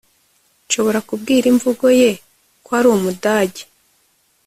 Nshobora kubwira imvugo ye ko ari Umudage